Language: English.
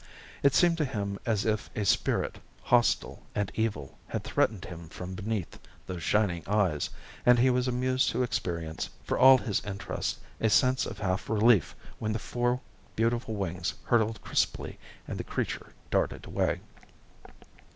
It seemed to him as if a spirit hostile and evil had threatened him from beneath those shining eyes; and he was amused to experience, for all his interest, a sense of half relief when the four beautiful wings hurtled crisply and the creature darted away.